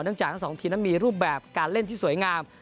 เนื่องจากทั้งสองทีมมีรูปแบบการเล่นที่สวยงาม